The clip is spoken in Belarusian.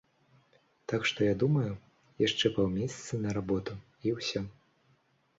Так што я думаю, яшчэ паўмесяцы на работу, і ўсё.